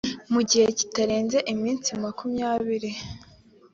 mu gihe kitarenze iminsi makumyabiri